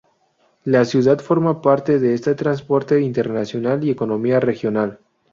La ciudad forma parte de este transporte internacional y económica región.